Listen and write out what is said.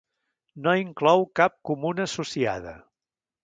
No inclou cap comuna associada.